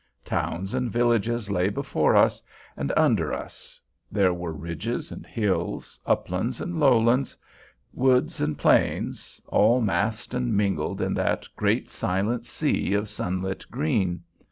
Towns and villages lay before us and under us; there were ridges and hills, uplands and lowlands, woods and plains, all massed and mingled in that great silent sea of sunlit green.